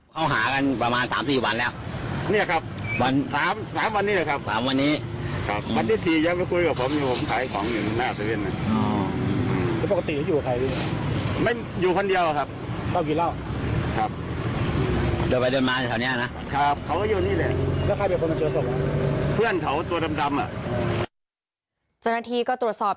เจ้าหน้าที่ก็ตรวจสอบ